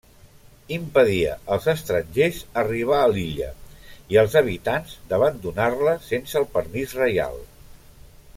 Impedia als estrangers arribar a l'illa i als habitants d'abandonar-la sense el permís reial.